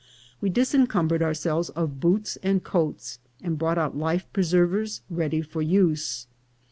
We disencumbered ourselves of boots and coats, and brought out life preservers ready for use.